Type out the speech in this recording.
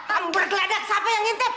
ambur keledek siapa yang ngintip